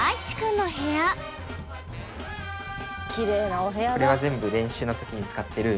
きれいなお部屋だ。